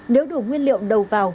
nếu đủ nguyên liệu đầu vào